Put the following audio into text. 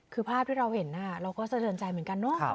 คือภาพที่เราเห็นเราก็สะเทือนใจเหมือนกันเนอะ